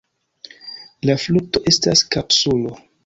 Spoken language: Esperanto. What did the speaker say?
La frukto estas kapsulo.